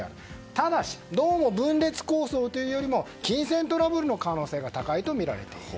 ただしどうも分裂抗争というより金銭トラブルの可能性が高いとみられている。